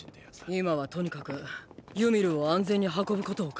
今はとにかくユミルを安全に運ぶことを考えよう。